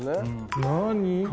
何？